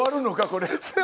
これ」。